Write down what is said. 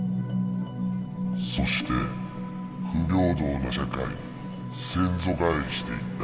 そして不平等な社会に先祖返りしていった。